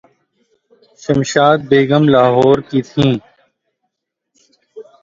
شمشاد بیگم لاہورکی تھیں۔